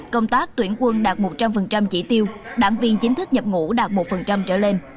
công tác tuyển quân đạt một trăm linh chỉ tiêu đảng viên chính thức nhập ngũ đạt một trở lên